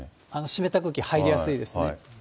湿った空気入りやすいですね。